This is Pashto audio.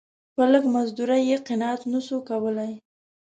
په لږ مزدوري یې قناعت نه سو کولای.